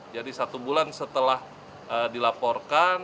jadi satu bulan setelah dilaporkan